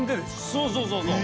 そうそうそうそう。